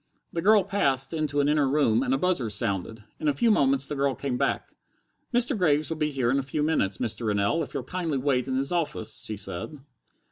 The girl passed into an inner room, and a buzzer sounded. In a few moments the girl came back. "Mr. Graves will be here in a few minutes, Mr. Rennell, if you'll kindly wait in his office," she said.